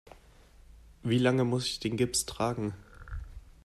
Wie lange muss ich den Gips tragen?